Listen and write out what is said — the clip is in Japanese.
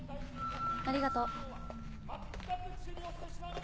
ありがとう。